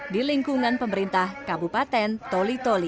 di lingkungan pemerintah kabupaten toli toli